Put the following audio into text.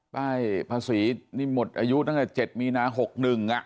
ป้ายภาษีนี่หมดอายุตั้งแต่๗มีนา๖๑